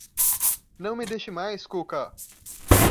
Não me deixe mais, Cuca!